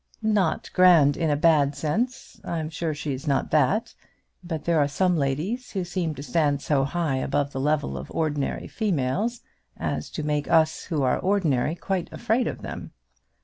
"Not grand in a bad sense; I'm sure she is not that. But there are some ladies who seem to stand so high above the level of ordinary females as to make us who are ordinary quite afraid of them."